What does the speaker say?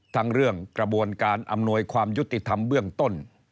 ทั้งเรื่องกระบวนการอำนวยความยุติธรรมเบื้องต้น